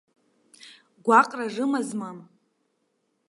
Гәаҟра рымазма?